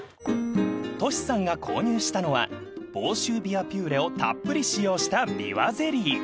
［トシさんが購入したのは房州びわピューレをたっぷり使用したびわゼリー］